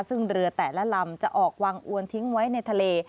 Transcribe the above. ซึ่งเรือแต่ละลำจะออกวางอวนทิ้งไว้ในทะเล